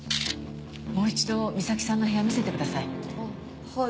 もう一度美咲さんの部屋見せてください。